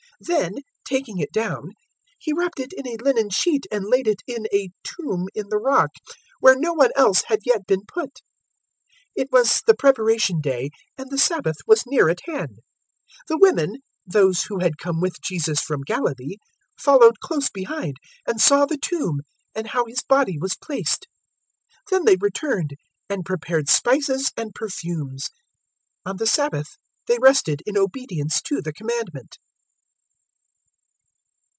023:053 Then, taking it down, he wrapped it in a linen sheet and laid it in a tomb in the rock, where no one else had yet been put. 023:054 It was the Preparation Day, and the Sabbath was near at hand. 023:055 The women those who had come with Jesus from Galilee followed close behind, and saw the tomb and how His body was placed. 023:056 Then they returned, and prepared spices and perfumes. On the Sabbath they rested in obedience to the Commandment.